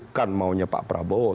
bukan maunya pak prabowo